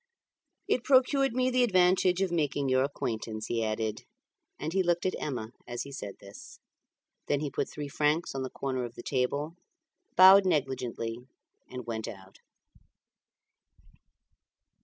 "It procured me the advantage of making your acquaintance," he added, and he looked at Emma as he said this. Then he put three francs on the corner of the table, bowed negligently, and went out.